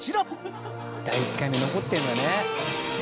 「第１回目残ってるんだね」